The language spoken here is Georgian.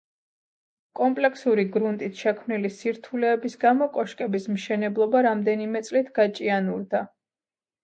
კომპლექსური გრუნტით შექმნილი სირთულეების გამო კოშკების მშენებლობა რამდენიმე წლით გაჭიანურდა.